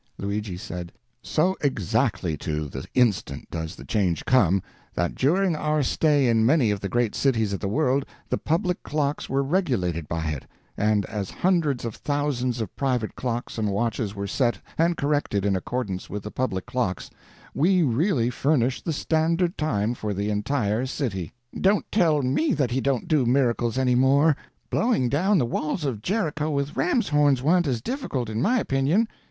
Luigi said: "So exactly to the instant does the change come, that during our stay in many of the great cities of the world, the public clocks were regulated by it; and as hundreds of thousands of private clocks and watches were set and corrected in accordance with the public clocks, we really furnished the standard time for the entire city." "Don't tell me that He don't do miracles any more! Blowing down the walls of Jericho with rams' horns wa'n't as difficult, in my opinion."